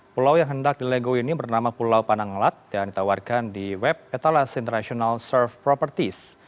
pulau yang hendak dilego ini bernama pulau panangalat yang ditawarkan di web etalasi internasional surf properties